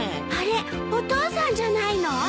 あれお父さんじゃないの？